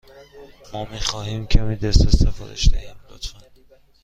ما می خواهیم کمی دسر سفارش دهیم، لطفا.